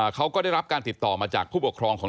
เขาก็ได้รับการติดต่อมาจากผู้ปกครองของ